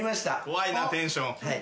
怖いなテンション。